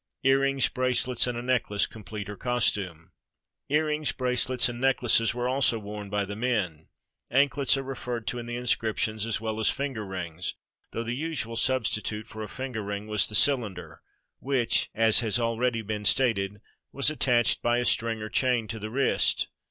Earrings, bracelets, and a necklace complete her cos tume. Earrings, bracelets, and necklaces were also worn by the men. Anklets are referred to in the inscriptions as well as finger rings, though the usual substitute for a finger ring was the cylinder, which, as has already been stated, was attached by a string or chain to the wrist.